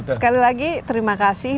sekali lagi terima kasih